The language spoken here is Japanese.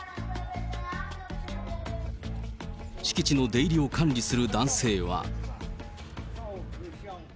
敷地の出入りを管理する男性は。